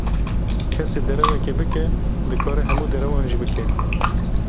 Kesê derewekê bike, dikare hemû derewan jî bike.